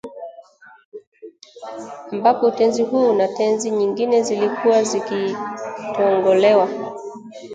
ambapo utenzi huu na tenzi nyingine zilikuwa zikitongolewa